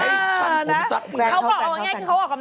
มันคันไงมันคัน